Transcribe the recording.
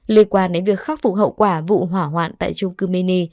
liên quan đến việc khắc phục hậu quả vụ hỏa hoạn tại trung cư mini